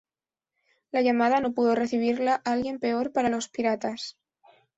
La llamada no pudo recibirla alguien peor para los piratas.